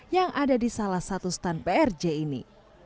yang ada di salah satu stand prj ini